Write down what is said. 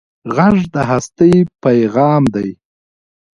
غږ د هستۍ پېغام دی